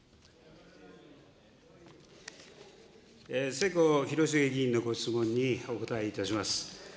世耕弘成議員のご質問にお答えいたします。